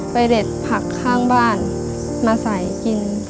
เด็ดผักข้างบ้านมาใส่กิน